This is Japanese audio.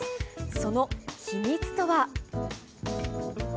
その秘密とは。